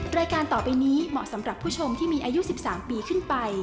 รายการต่อไปนี้เหมาะสำหรับผู้ชมที่มีอายุ๑๓ปีขึ้นไป